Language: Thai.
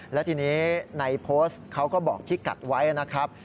และทีนี้ในโพสต์เขาก็บอกพี่กัดไว้นะครับ